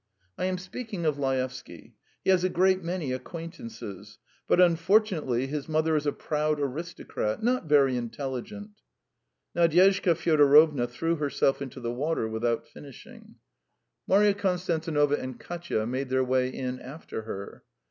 "I am speaking of Laevsky. He has a great many acquaintances. But unfortunately his mother is a proud aristocrat, not very intelligent. ..." Nadyezhda Fyodorovna threw herself into the water without finishing; Marya Konstantinovna and Katya made their way in after her.